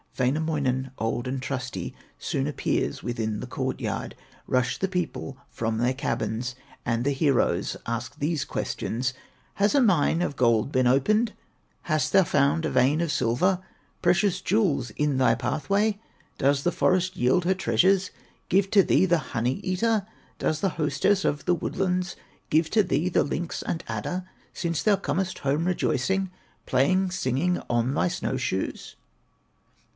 Wainamoinen, old and trusty, Soon appears within the court yard. Rush the people from their cabins, And the heroes ask these questions: "Has a mine of gold been opened, Hast thou found a vein of silver, Precious jewels in thy pathway? Does the forest yield her treasures, Give to thee the Honey eater? Does the hostess of the woodlands, Give to thee the lynx and adder, Since thou comest home rejoicing, Playing, singing, on thy snow shoes?"